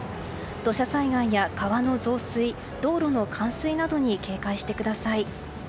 土砂災害や川の増水道路の冠水などに警戒してください。